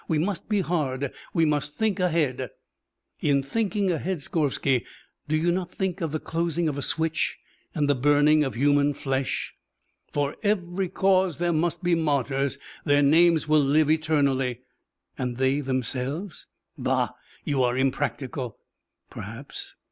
We must be hard, we must think ahead." "In thinking ahead, Skorvsky, do you not think of the closing of a switch and the burning of human flesh?" "For every cause there must be martyrs. Their names will live eternally." "And they themselves ?" "Bah! You are impractical." "Perhaps."